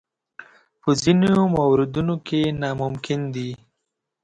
په ځینو موردونو کې ناممکن دي.